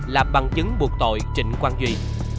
là bằng chứng buộc tội trịnh quang duy